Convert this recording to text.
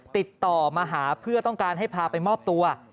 ติดต่อมาหาเพื่อต้องการให้พาไปมอบตัว